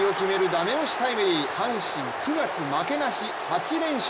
ダメ押しタイムリー阪神９月負けなし、８連勝。